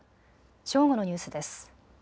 正午のニュースです。